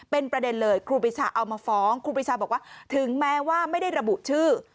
เป็นประเด็นเลยครูปีชาเอามาฟ้องครูปีชาบอกว่าถึงแม้ว่าไม่ได้ระบุชื่อ